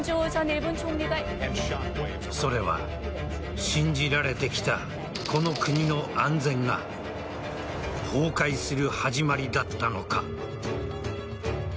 それは信じられてきたこの国の安全が崩壊する始まりだったのか。